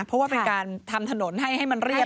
เพราะว่าเป็นการทำถนนให้มันเรียบ